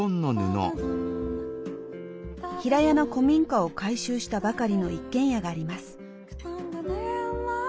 平屋の古民家を改修したばかりの一軒家があります。